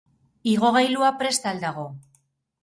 Igogailua prest al dago?